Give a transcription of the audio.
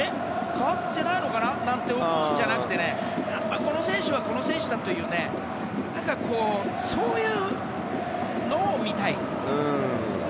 代わってないのかななんて思うんじゃなくてこの選手はこの選手だというそういうのを見たい。